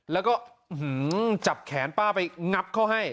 แล้วก็จับแขนป้าไปงับเขาให้